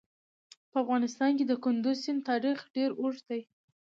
په افغانستان کې د کندز سیند تاریخ ډېر اوږد دی.